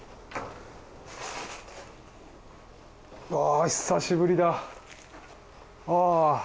ああ、久しぶりだ！